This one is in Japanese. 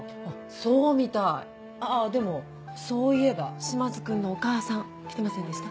そうみたいあっでもそういえば島津君のお母さん来てませんでした？